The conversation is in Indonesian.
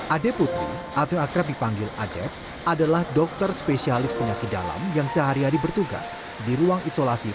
ade putri atau akrab dipanggil acep adalah dokter spesialis penyakit dalam yang sehari hari bertugas di ruang isolasi